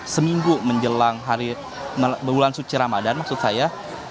seminggu menjelang bulan suci ramadan maksud saya